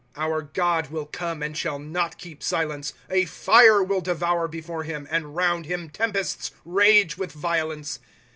3 Our God will come, and shall not keep silence ; A fire will devour before him, And round him tempests rage with violence.